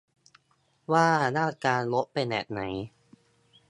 ว่าหน้าตารถเป็นแบบไหน